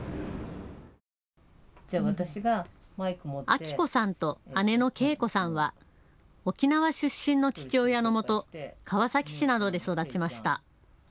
明子さんと姉の恵子さんは沖縄出身の父親のもと川崎市などで育ちました。